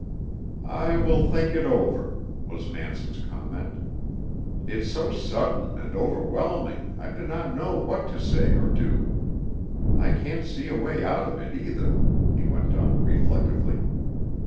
"I will think it over," was Manson's comment. "It's so sudden and overwhelming I do not know what to say or do. I can't see a way out of it, either," he went on reflectively.